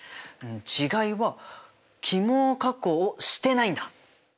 違いは起毛加工してないんだ。